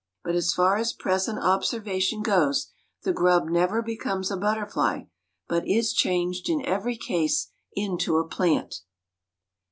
But as far as present observation goes the grub never becomes a butterfly, but is changed in every case into a plant.